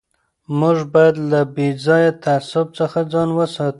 موږ باید له بې ځایه تعصب څخه ځان وساتو.